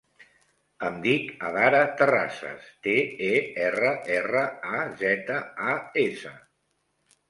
Em dic Adara Terrazas: te, e, erra, erra, a, zeta, a, essa.